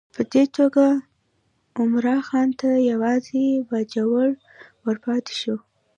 په دې توګه عمرا خان ته یوازې باجوړ ورپاته شو.